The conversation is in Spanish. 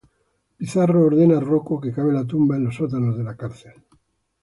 Pizarro ordena a Rocco que cave la tumba en los sótanos de la cárcel.